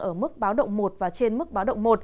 ở mức báo động một và trên mức báo động một